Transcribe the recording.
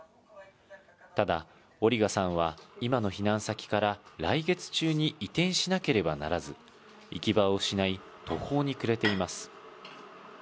ただ、オリガさんは、今の避難先から来月中に移転しなければならず、行き場を失い、途方に暮れています。